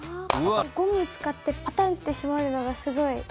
ゴム使ってパタンってしまるのがすごい。